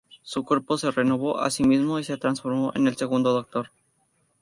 Su cuerpo se renovó a sí mismo y se transformó en el Segundo Doctor.